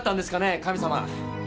神様！